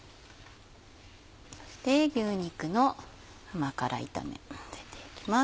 そして牛肉の甘辛炒めのせていきます。